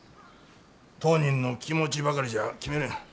当人の気持ちばかりじゃ決めれん。